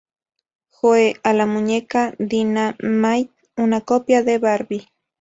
Joe", o la muñeca "Dinah-Mite", una copia de "Barbie".